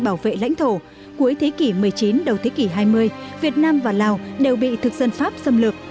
bảo vệ lãnh thổ cuối thế kỷ một mươi chín đầu thế kỷ hai mươi việt nam và lào đều bị thực dân pháp xâm lược